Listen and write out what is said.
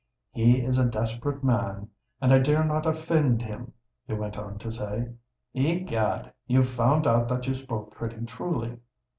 —'He is a desperate man, and I dare not offend him,' you went on to say.—Egad! you've found out that you spoke pretty truly.